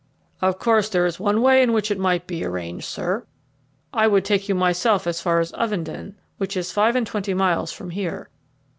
"Of course there is one way in which it might be managed, sir. I would take you myself as far as Ovenden, which is five and twenty miles from here.